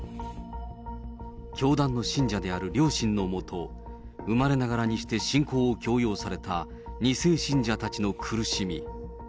教団の信者である両親の下、生まれながらにして信仰を強要された２世信者たちの苦しみ。